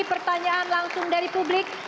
pertanyaan langsung dari publik